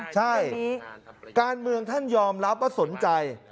ใช่การเมืองท่านยอมรับว่าสนใจ